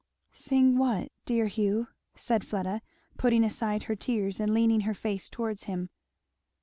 "Sing what, dear Hugh?" said Fleda, putting aside her tears and leaning her face towards him.